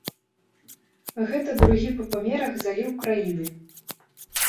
Гэта другі па памерах заліў краіны.